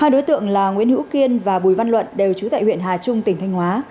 hai đối tượng là nguyễn hữu kiên và bùi văn luận đều trú tại huyện hà trung tỉnh thanh hóa